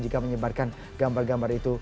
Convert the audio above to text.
jika menyebarkan gambar gambar itu